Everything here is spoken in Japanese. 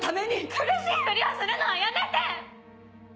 苦しいふりをするのはやめて！